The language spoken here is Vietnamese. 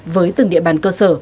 với từng địa bàn cơ sở